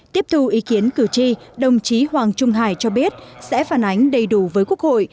tiếp thu ý kiến cử tri đồng chí hoàng trung hải cho biết sẽ phản ánh đầy đủ với quốc hội